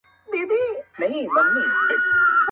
و دښمن ته معلوم شوی زموږ زور وو؛